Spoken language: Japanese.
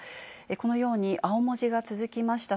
このように青文字が続きました。